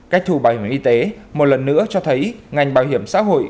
cách thu bảo hiểm y tế một lần nữa cho thấy ngành bảo hiểm xã hội